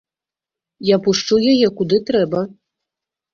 Я пушчу яе куды трэба.